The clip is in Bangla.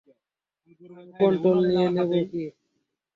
আমি কন্ট্রোল নিয়ে নেব কী?